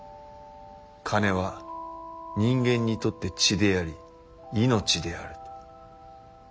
「金は人間にとって血であり命である」。